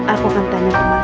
aku akan tanya ke masa